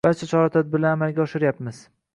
Barcha chora-tadbirlarni amalga oshiryapmiz.